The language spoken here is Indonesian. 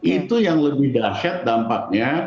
itu yang lebih dahsyat dampaknya